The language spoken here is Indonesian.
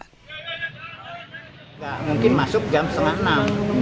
tidak mungkin masuk jam setengah enam